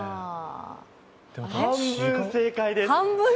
半分正解です。